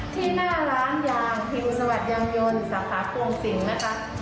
ที่หน้าร้านยามพิวสวัสดิยางยนต์สาขาพวงศิลป์นะคะ